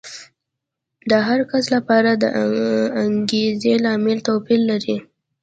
د هر کس لپاره د انګېزې لامل توپیر لري.